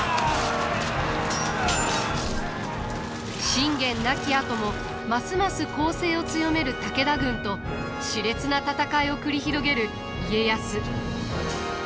信玄亡きあともますます攻勢を強める武田軍としれつな戦いを繰り広げる家康。